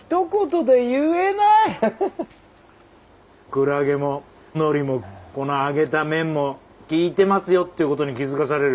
クラゲものりもこの揚げた麺もきいてますよっていうことに気付かされる。